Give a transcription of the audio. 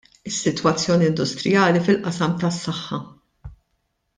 Is-Sitwazzjoni Industrijali fil-Qasam tas-Saħħa.